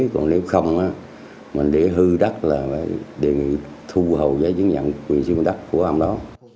còn nếu không mình để hư đất là phải đề nghị thu hầu giấy chứng nhận quyền sử dụng đất của ông đó